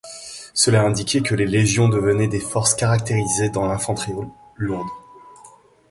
Cela indiquait que les légions devenaient des forces caractérisées dans l'infanterie lourde.